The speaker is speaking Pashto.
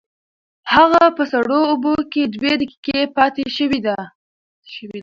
هغه په سړو اوبو کې دوه دقیقې پاتې شوې ده.